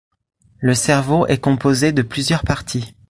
Le cerveau est composé de plusieurs parties.